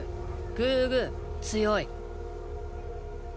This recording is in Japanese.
グーグーつよい。